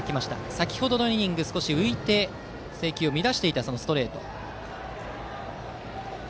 先程のイニング、少し浮いて制球を乱していたストレート。